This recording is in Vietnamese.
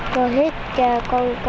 cô hít cho con